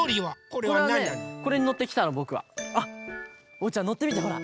おうちゃんのってみてほら。